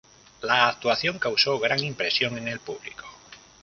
La actuación causó gran impresión en el público.